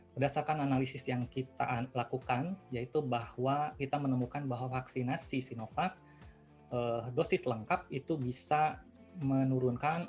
berdasarkan analisis yang kita lakukan yaitu bahwa kita menemukan bahwa vaksinasi sinovac dosis lengkap itu bisa menurunkan